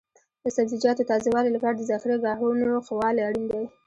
د سبزیجاتو تازه والي لپاره د ذخیره ګاهونو ښه والی اړین دی.